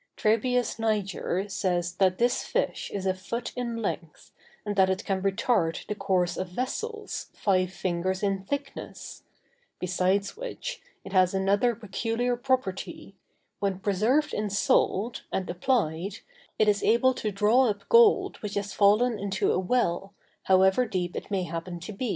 Trebius Niger says that this fish is a foot in length, and that it can retard the course of vessels, five fingers in thickness; besides which, it has another peculiar property—when preserved in salt, and applied, it is able to draw up gold which has fallen into a well, however deep it may happen to be.